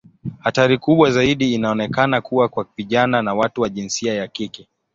Hatari kubwa zaidi inaonekana kuwa kwa vijana na watu wa jinsia ya kike.